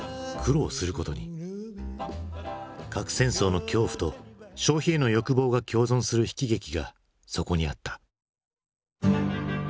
核戦争の恐怖と消費への欲望が共存する悲喜劇がそこにあった。